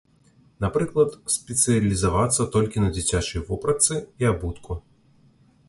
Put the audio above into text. Напрыклад, спецыялізавацца толькі на дзіцячай вопратцы і абутку.